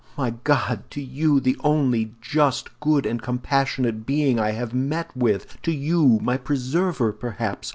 My God! to you—the only just, good, and compassionate being I have met with! To you—my preserver, perhaps!